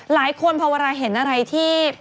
หลายคนพอเวลาเห็นอะไรที่